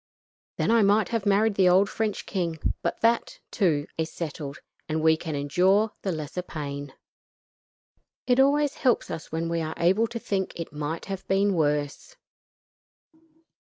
Then I might have married the old French king, but that, too, is settled; and we can endure the lesser pain. It always helps us when we are able to think it might have been worse."